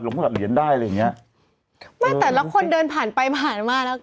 ขนาดเหรียญได้อะไรอย่างเงี้ยไม่แต่ละคนเดินผ่านไปผ่านมาแล้ว